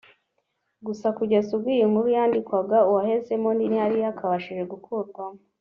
gusa kugeza ubwo iyi nkuru yandikwaga uwahezemo ntiyari yakabashije gukurwamo